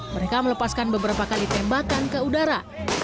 mereka melepaskan beberapa kali tembakan ke udara